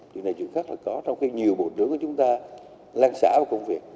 chuyện này chuyện khác là có trong cái nhiều bộ trưởng của chúng ta lan xã vào công việc